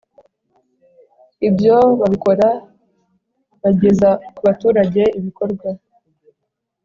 ibyo babikora bageza ku baturage ibikorwa